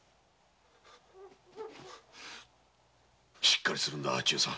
しっかりするんだ忠さん。